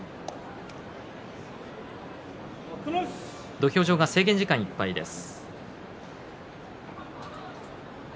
土俵上が制限時間いっぱいです。